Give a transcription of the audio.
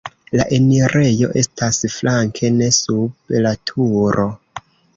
La enirejo estas flanke, ne sub la turo.